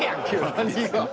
何が。